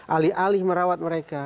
alih alih merawat mereka